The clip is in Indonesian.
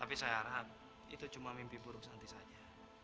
tapi saya harap itu cuma mimpi buruk nanti saja